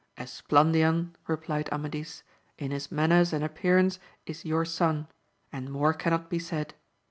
Esplandian, replied Amadis, in his manners and appearance is your son, and more cannot be said.